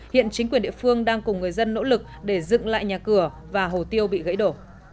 hiện chính quyền địa phương đang cùng người dân nỗ lực để dựng lại nhà cửa và hồ tiêu bị gãy đổ